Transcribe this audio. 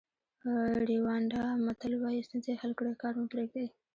ریوانډا متل وایي ستونزې حل کړئ کار مه پریږدئ.